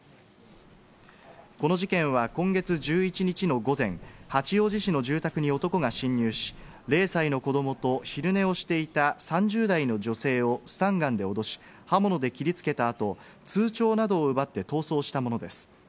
この事件は今月１１日の午前、八王子市の住宅に男が侵入し、０歳の子どもと昼寝をしていた３０代の女性をスタンガンで脅し、刃物で切りつけた後、通帳などを奪って逃走したものです。